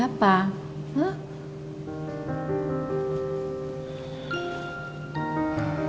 lia aku mesti lebih sakit strandsimu